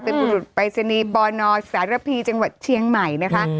เป็นบุรุษปรายศนีย์ปนสารพีจังหวัดเชียงใหม่นะคะ